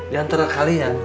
yang terakhir kalian